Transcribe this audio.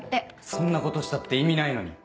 そんなことしたって意味ないのに。